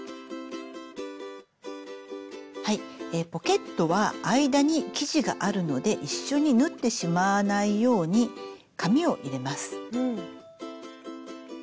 ポケットは間に生地があるので一緒に縫ってしまわないように紙を入れます。